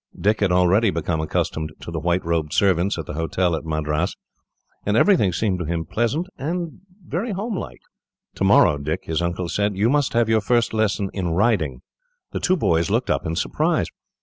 Dick had already become accustomed to the white robed servants, at the hotel at Madras, and everything seemed to him pleasant and home like. "Tomorrow, Dick," his uncle said, "you must have your first lesson in riding." The two boys looked up in surprise.